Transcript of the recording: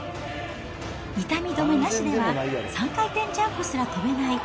痛み止めなしでは、３回転ジャンプすら跳べない。